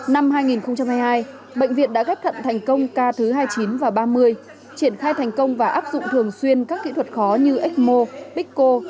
năm hai nghìn hai mươi hai bệnh viện đã ghép thận thành công ca thứ hai mươi chín và ba mươi triển khai thành công và áp dụng thường xuyên các kỹ thuật khó như ecmo bixco